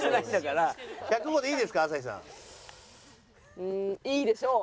うーんいいでしょう。